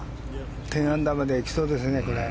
１０アンダーまで行きそうですね。